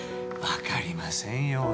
わかりませんよ